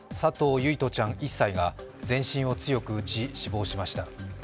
唯叶ちゃん１歳が全身を強く打ち、死亡しました。